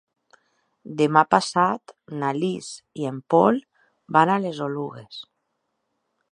Demà passat na Lis i en Pol van a les Oluges.